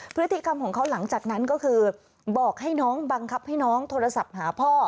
พฤติกรรมของเขาหลังจากนั้นก็คือบอกให้น้องบังคับให้น้องโทรศัพท์หาพ่อ